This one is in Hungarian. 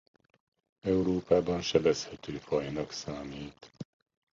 Európában sebezhető fajnak számít.